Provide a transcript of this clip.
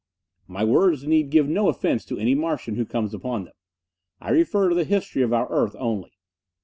My words need give no offense to any Martian who comes upon them. I refer to the history of our earth only.